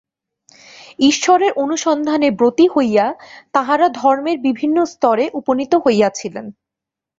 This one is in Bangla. ঈশ্বরের অনুসন্ধানে ব্রতী হইয়া তাঁহারা ধর্মের বিভিন্ন স্তরে উপনীত হইয়াছিলেন।